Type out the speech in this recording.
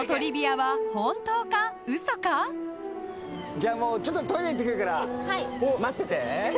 「じゃあちょっとトイレ行ってくるから待ってて」